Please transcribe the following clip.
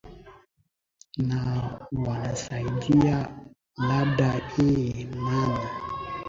na wanasaidiwa labda eeeh na na